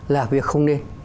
là việc không nên